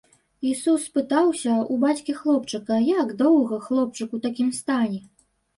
Ісус спытаўся ў бацькі хлопчыка, як доўга хлопчык у такім стане?